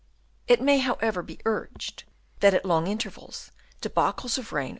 It may, however, be urged that at long intervals, debacles of rain or Chap.